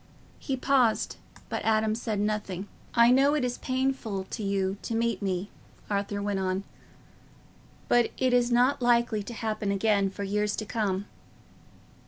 He paused, but Adam said nothing. "I know it is painful to you to meet me," Arthur went on, "but it is not likely to happen again for years to come."